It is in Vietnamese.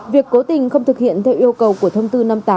việc cố tình không thực hiện theo yêu cầu của thông tư năm mươi tám